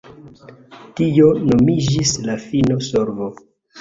Tio nomiĝis “la fina solvo”.